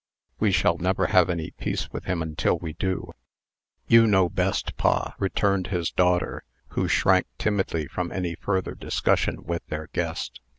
"We shall never have any peace with him until we do." "You know best, pa," returned his daughter, who shrank timidly from any further discussion with their guest.